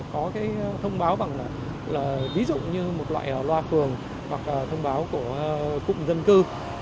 có thông báo bằng ví dụ như một loại loa phường hoặc thông báo của cụm dân cư